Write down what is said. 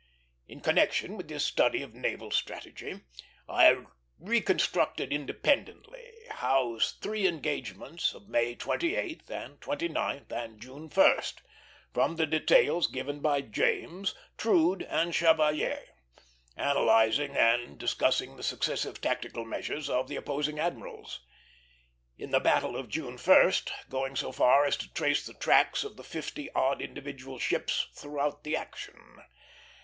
In connection with this study of naval strategy, I reconstructed independently Howe's three engagements of May 28th and 29th, and June 1st, from the details given by James, Troude, and Chevalier, analyzing and discussing the successive tactical measures of the opposing admirals; in the battle of June 1st going so far as to trace even the tracks of the fifty odd individual ships throughout the action.